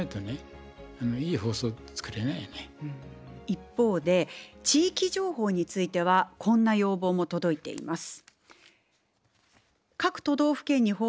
一方で地域情報についてはこんな要望も届いています。